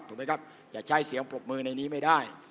อย่าใช้เสียงปรบมือในนี้ไม่ได้